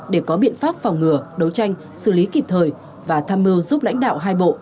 để có biện pháp phòng ngừa đấu tranh xử lý kịp thời và tham mưu giúp lãnh đạo hai bộ